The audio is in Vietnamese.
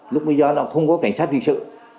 lúc bây giờ là không có cảnh sát duy sự